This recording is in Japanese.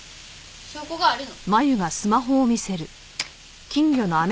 証拠があるの。